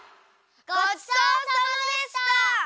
ごちそうさまでした！